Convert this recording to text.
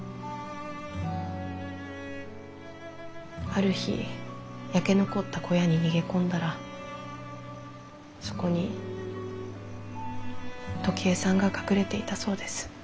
ある日焼け残った小屋に逃げ込んだらそこに時恵さんが隠れていたそうです。